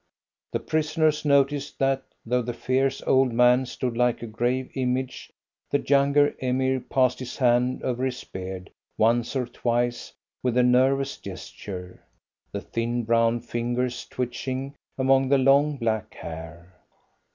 The prisoners noticed that, though the fierce, old man stood like a graven image, the younger Emir passed his hand over his beard once or twice with a nervous gesture, the thin, brown fingers twitching among the long, black hair.